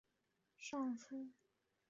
康熙三年改兵部尚书。